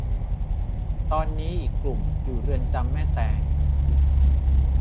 ตอนนี้อีกกลุ่มอยู่เรือนจำแม่แตง